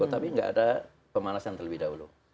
tapi nggak ada pemalasan terlebih dahulu